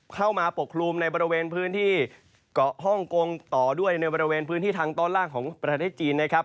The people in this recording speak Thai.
ปกคลุมในบริเวณพื้นที่เกาะฮ่องกงต่อด้วยในบริเวณพื้นที่ทางตอนล่างของประเทศจีนนะครับ